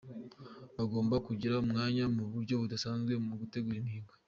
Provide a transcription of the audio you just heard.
Bagomba kugira umwanya mu buryo budasanzwe mu gutegura imihigo’’.